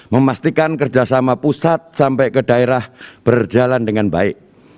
memastikan kerjasama pusat sampai ke daerah berjalan dengan baik